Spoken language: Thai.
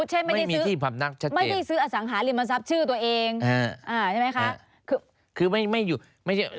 อย่างสมมุติเช่นไม่ได้ซื้ออสังหาริมทรัพย์ชื่อตัวเองใช่ไหมคะคือไม่มีที่พร้อมนับชัดเจน